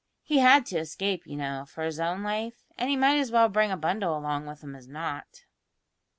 He had to escape, you know, for his own life, and he might as well bring a bundle along with him as not."